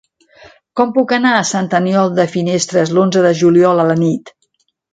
Com puc anar a Sant Aniol de Finestres l'onze de juliol a la nit?